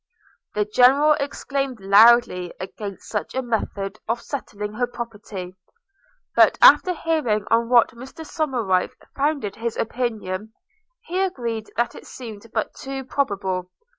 The General exclaimed loudly against such a method of settling her property; but, after hearing on what Mr Somerive founded his opinion, he agreed that it seemed but too probable.